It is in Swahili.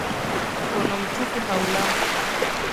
Mkono mtupu haulambwi